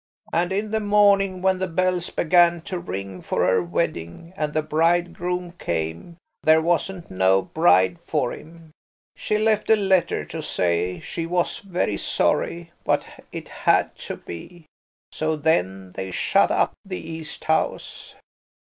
And in the morning, when the bells began to ring for her wedding, and the bridegroom came, there wasn't no bride for him. She left a letter to say she was very sorry, but it had to be. So then they shut up the East House."